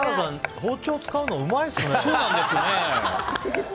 包丁使うのうまいですね。